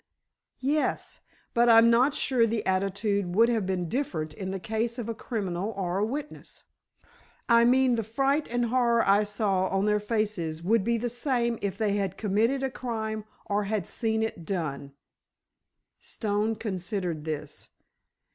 "Yes. But I'm not sure the attitude would have been different in the case of a criminal or a witness. I mean the fright and horror I saw on their faces would be the same if they had committed a crime or had seen it done." Stone considered this.